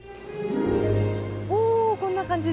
おこんな感じで。